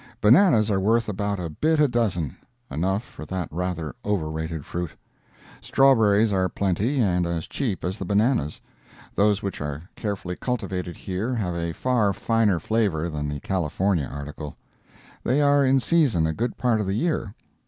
Bananas are worth about a bit a dozen—enough for that rather over rated fruit. Strawberries are plenty, and as cheap as the bananas. Those which are carefully cultivated here have a far finer flavor than the California article. They are in season a good part of the year.